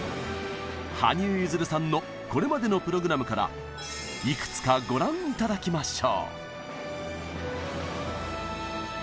羽生結弦さんのこれまでのプログラムからいくつかご覧頂きましょう！